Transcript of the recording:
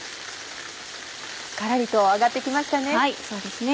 カラリと揚がって来ましたね。